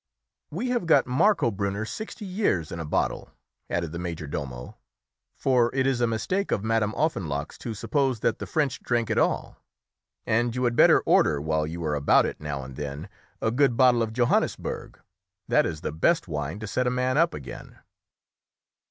"We have got Marcobrunner sixty years in bottle," added the major domo, "for it is a mistake of Madame Offenloch's to suppose that the French drank it all. And you had better order, while you are about it, now and then, a good bottle of Johannisberg. That is the best wine to set a man up again."